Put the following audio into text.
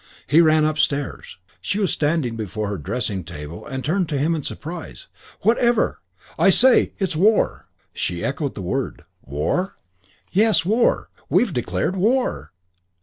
He ran upstairs. She was standing before her dressing table and turned to him in surprise. "Whatever " "I say, it's war!" She echoed the word. "War?" "Yes, war. We've declared war!"